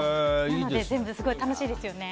なので、すごい楽しいですよね。